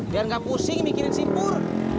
biar gak pusing mikirin si pur